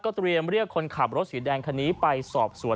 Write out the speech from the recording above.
เตรียมเรียกคนขับรถสีแดงคันนี้ไปสอบสวน